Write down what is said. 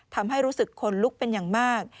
ทำให้รู้สึกขนลุกเป็นอย่างมาก